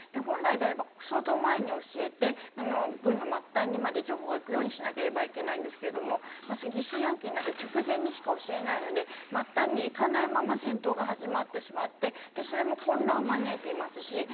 本来であれば相当前に教えて軍の末端にまで情報がいくようにしなければいけないんですけれども疑心暗鬼になって直前にしか教えないので末端にいかないまま戦闘が始まってしまってそれも混乱を招いていますし。